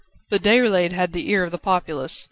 But Déroulède had the ear of the populace.